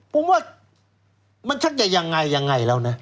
ผมว่ามันชั้นจะยังไงแล้วน่ะ